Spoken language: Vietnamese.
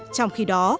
trong khi đó